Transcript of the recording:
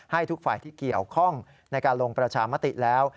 ให้ทุกฝ่ายที่เกี่ยวข้องในการลงประชามติแล้ว